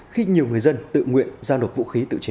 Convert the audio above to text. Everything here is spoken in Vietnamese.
khi nhiều người dân tự nguyện giao nộp vũ khí tự trị